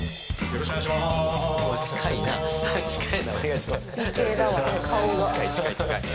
よろしくお願いします。